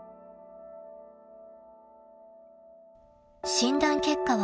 ［診断結果は］